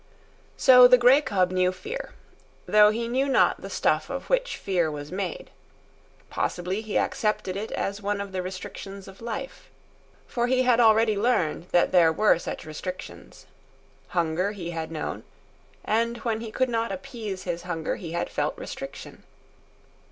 So the grey cub knew fear, though he knew not the stuff of which fear was made. Possibly he accepted it as one of the restrictions of life. For he had already learned that there were such restrictions. Hunger he had known; and when he could not appease his hunger he had felt restriction.